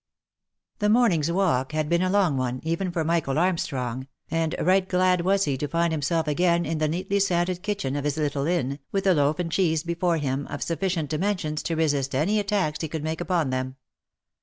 The morning's walk had been a long one, even for Michael Arm strong, and right glad was he to find himself again in the neatly sanded kitchen of his little inn, with a loaf and cheese before him, of sufficient dimensions to resist any attacks he could make upon them.